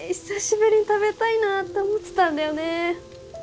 久しぶりに食べたいなって思ってたんだよね